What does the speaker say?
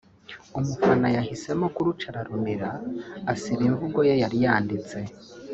umufana yahisemo kuruca ararumira asiba imvugo ye yari yanditse